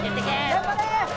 頑張れ！